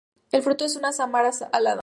El fruto es una sámara alada.